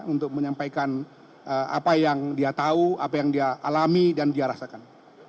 untuk menyampaikan apa yang dia tahu apa yang dia alami dan dia rasakan